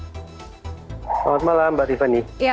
selamat malam mbak tiffany